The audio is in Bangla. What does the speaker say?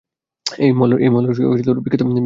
এই মহল্লার বিখ্যাত নাম গাঙু!